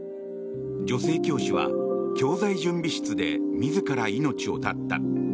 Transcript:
女性教師は教材準備室で自ら命を絶った。